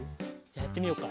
やってみようか。